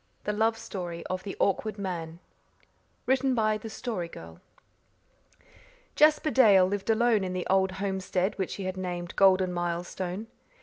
THE LOVE STORY OF THE AWKWARD MAN (Written by the Story Girl) Jasper Dale lived alone in the old homestead which he had named Golden Milestone.